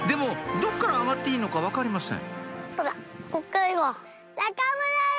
どこから上がっていいのか分かりません